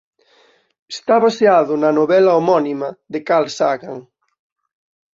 Está baseado na novela "homónima" de Carl Sagan.